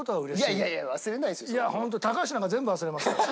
いや本当高橋なんか全部忘れますから。